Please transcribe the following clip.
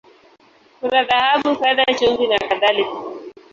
Kuna dhahabu, fedha, chumvi, na kadhalika.